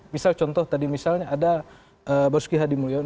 misal contoh tadi misalnya ada basuki hadimulyo